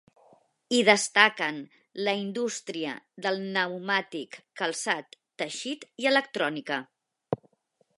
Hi destaquen la indústria de pneumàtic, calçat, teixit i electrònica.